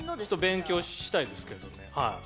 勉強したいですけどね。